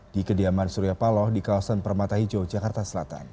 di kediaman suriapaloh di kawasan permata hijau jakarta selatan